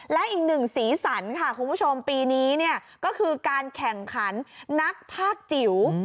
และอีกหนึ่งสีสันค่ะคุณผู้ชมปีนี้เนี่ยก็คือการแข่งขันนักภาคจิ๋ว